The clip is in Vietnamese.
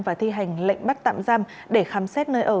và thi hành lệnh bắt tạm giam để khám xét nơi ở